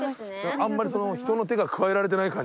あんまり人の手が加えられてない感じが。